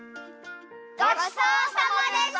ごちそうさまでした！